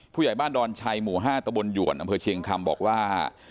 ผู้ใหญ่บ้านดอนชัยหมู่๕ตะบนหยวนอำเภอเชียงคำบอกว่า